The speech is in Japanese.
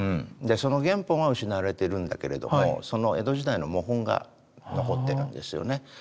その原本は失われてるんだけれどもその江戸時代の模本が残ってるんですよね。